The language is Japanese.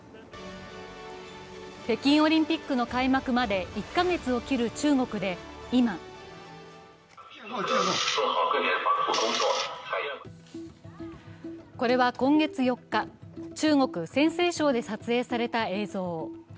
北京オリンピックの開幕まで１カ月を切る中国で今これは今月４日中国・陝西省で撮影された映像。